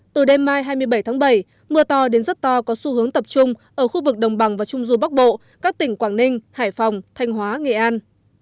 từ đêm mai hai mươi bảy tháng bảy mưa to đến rất to có xu hướng tập trung ở khu vực đồng bằng và trung du bắc bộ các tỉnh quảng ninh hải phòng thanh hóa nghệ an